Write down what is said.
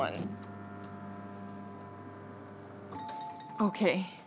ＯＫ。